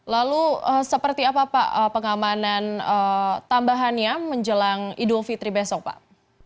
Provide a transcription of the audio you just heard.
lalu seperti apa pak pengamanan tambahannya menjelang idul fitri besok pak